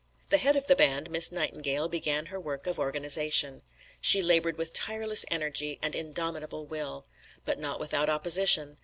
The head of the band, Miss Nightingale, began her work of organisation. She laboured with tireless energy and indomitable will. But not without opposition.